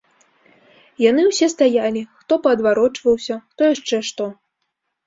Яны ўсе стаялі, хто паадварочваўся, хто яшчэ што.